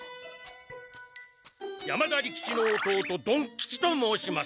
山田利吉の弟曇吉と申します！